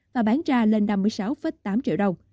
và bán ra lên năm mươi sáu tám triệu đồng